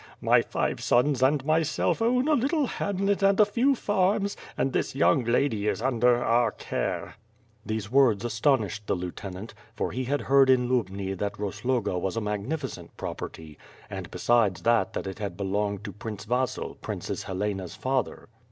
My five sons and myself own a little ham let and a few farms, and this young lady is under our care." These words astonished the lieutenant, for he had heard in Lubni that Rosloga was a magnificent property, and besides that that it had belonged to Prince Vasil, Princess Helena's father.